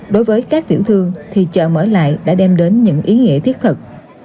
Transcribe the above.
đối với các tiểu thương thì chợ mở lại đã đem đến những ý nghĩa thiết thực